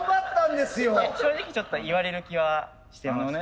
正直ちょっと言われる気はしてました。